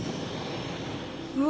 うわ！